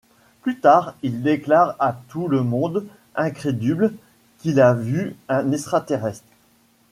Plus tard, il déclare à tout le monde, incrédule, qu'il a vu un extraterrestre.